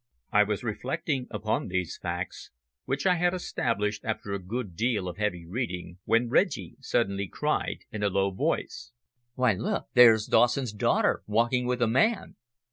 I was reflecting upon these facts which I had established after a good deal of heavy reading, when Reggie suddenly cried in a low voice, "Why, look! there's Dawson's daughter walking with a man!"